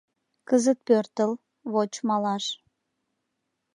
Кызыт пӧртыл, воч малаш